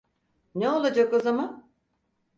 Ne olacak o zaman?